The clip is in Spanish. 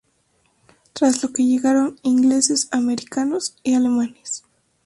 Tras lo que llegaron ingleses, americanos y alemanes.